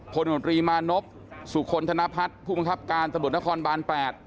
คนของรีมานพสุขลธนพัฒน์ผู้บังคับการสะดวกนครบาล๘